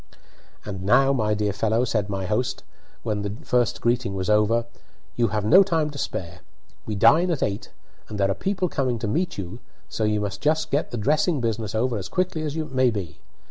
"And now, my dear fellow," said my host, when the first greeting was over, "you have no time to spare. We dine at eight, and there are people coming to meet you, so you must just get the dressing business over as quickly as may be.